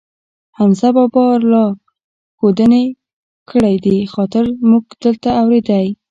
حمزه بابا را له ښودانې کړی دي، خاطر مونږ دلته اورېدی.